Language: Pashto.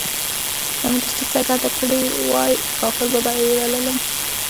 که مې دوستي څرګنده کړې وای کافر به یې بللم.